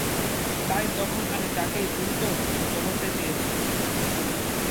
তাই তখন আমি তাঁকেই উলটে ছোটো করতে চেয়েছি।